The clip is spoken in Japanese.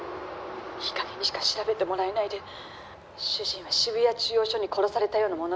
「いいかげんにしか調べてもらえないで主人は渋谷中央署に殺されたようなものです」